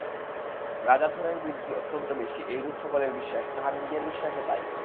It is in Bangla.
রাজধরের বুদ্ধি অত্যন্ত বেশি এইরূপ সকলের বিশ্বাস, তাঁহার নিজের বিশ্বাসও তাই।